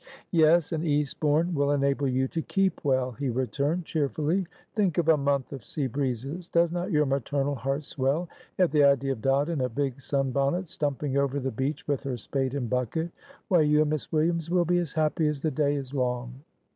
"Yes, and Eastbourne will enable you to keep well," he returned, cheerfully. "Think of a month of sea breezes; does not your maternal heart swell at the idea of Dot in a big sun bonnet, stumping over the beach with her spade and bucket? Why, you and Miss Williams will be as happy as the day is long."